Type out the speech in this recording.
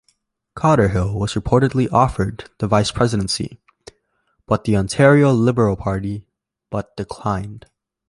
Cotterill was reportedly offered the vice-presidency of the Ontario Liberal Party but declined.